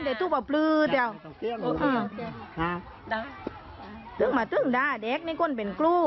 เดี๋ยวตื๊บเอาปลือเดี๋ยวอืมอ่าตื๊บมาตื๊บด้าแดกนี่ก้นเป็นกลู